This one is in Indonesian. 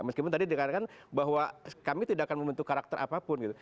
meskipun tadi dikatakan bahwa kami tidak akan membentuk karakter apapun gitu